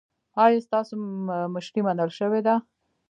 ایا ستاسو مشري منل شوې ده؟